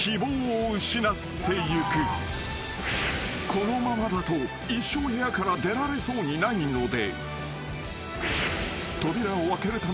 ［このままだと一生部屋から出られそうにないので］